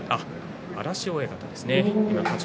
荒汐親方ですね。